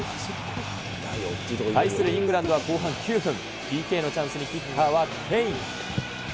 対するイングランドは後半９分、ＰＫのチャンスに、キッカーはケイン。